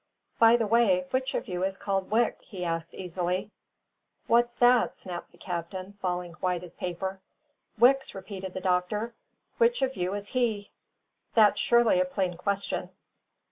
"By the way, which of you is called Wicks?" he asked easily. "What's that?" snapped the captain, falling white as paper. "Wicks," repeated the doctor; "which of you is he? that's surely a plain question."